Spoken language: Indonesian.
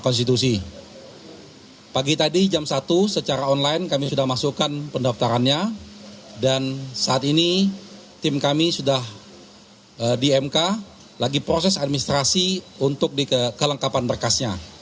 kami sudah di mk lagi proses administrasi untuk dikelengkapan berkasnya